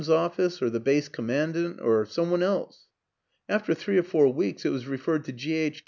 's office or the Base Commandant or some one else. After three or four weeks it was referred to G.